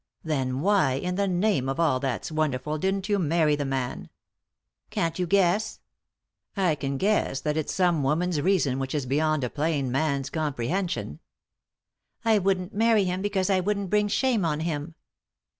"Then why, in the name of all that's wonderful, didn't you marry the man ?"" Can't you guess ?" "I can guess that it's some woman's reason which is beyond a plain man's comprehension." " I wouldn't marry him because I wouldn't bring shame on him."